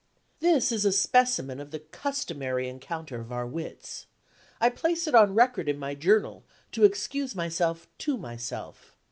This is a specimen of the customary encounter of our wits. I place it on record in my Journal, to excuse myself to myself.